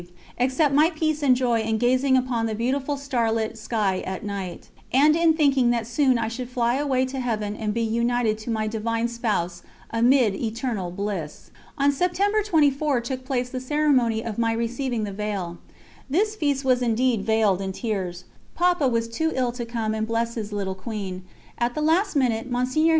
That day everything was little except the graces I received except my peace and joy in gazing upon the beautiful star lit sky at night, and in thinking that soon I should fly away to Heaven and be united to my Divine Spouse amid eternal bliss. On September 24 took place the ceremony of my receiving the veil. This feast was indeed veiled in tears. Papa was too ill to come and bless his little Queen; at the last minute Mgr.